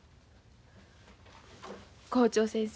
校長先生